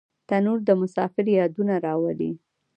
تنور د مسافر یادونه راولي